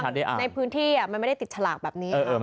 ในพื้นที่มันไม่ได้ติดฉลากแบบนี้